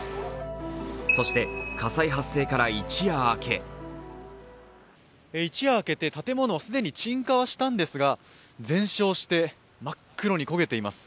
そして火災発生から一夜明けてて一夜明けて建物、既に鎮火したんですが全焼して真っ黒に焦げています。